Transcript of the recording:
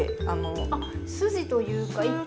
あっ筋というか一本ね。